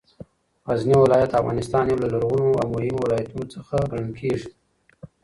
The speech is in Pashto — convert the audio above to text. غزنې ولایت د افغانستان یو له لرغونو او مهمو ولایتونو څخه ګڼل کېږې